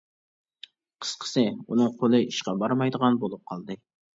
قىسقىسى، ئۇنىڭ قولى ئىشقا بارمايدىغان بولۇپ قالدى.